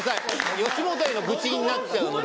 吉本への愚痴になっちゃうので。